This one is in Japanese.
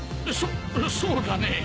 そそうだね。